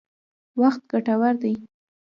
وخت ګټور دی.